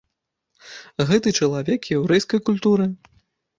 Гэта чалавек яўрэйскай культуры.